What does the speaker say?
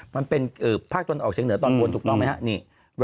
มันเป็นภาคตะวันออกเชียงเหนือตอนบนถูกต้องไหมครับ